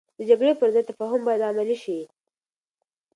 د جګړې پر ځای تفاهم باید عملي شي.